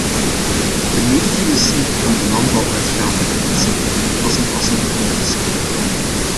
De medefinanciering van de landbouwuitgaven zie ik niet als een passende oplossing.